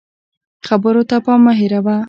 خبرو ته پام مه هېروه